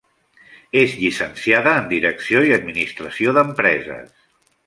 És llicenciada en Direcció i administració d'empreses.